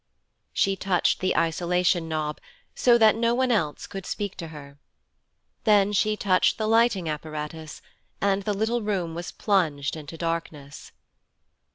She touched the isolation knob, so that no one else could speak to her. Then she touched the lighting apparatus, and the little room was plunged into darkness.